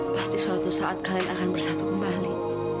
pasti suatu saat kalian akan bersatu kembali